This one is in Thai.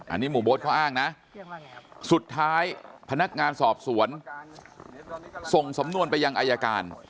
อันนี้หมู่โบ๊ทเขาอ้างนะสุดท้ายพนักงานสอบสวนส่งสำนวนไปยังอายการ